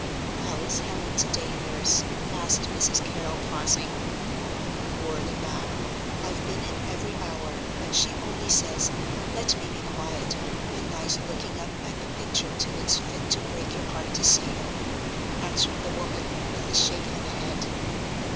"How is Helen to day, Nurse?" asked Mrs. Carrol, pausing. "Poorly, ma'am. I've been in every hour, but she only says: 'Let me be quiet,' and lies looking up at the picture till it's fit to break your heart to see her," answered the woman, with a shake of the head.